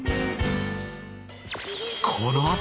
このあと。